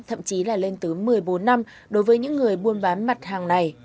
thậm chí là lên tới một mươi bốn năm đối với những người buôn bán mặt hàng này